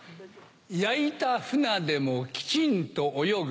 焼いたフナでもきちんと泳ぐ。